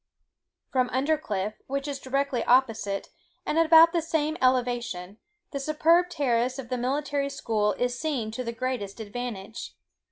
From Undercliff, which is directly opposite, and about at the same elevation, the superb terrace of the Military School is seen to the greatest advantage.